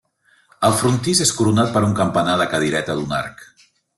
El frontis és coronat per un campanar de cadireta d'un arc.